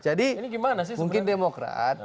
jadi mungkin demokrat